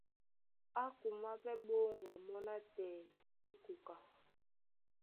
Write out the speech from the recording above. Á kumwá pɛ́ ɓóŋgwa mɔ́ nátɛɛ é koka.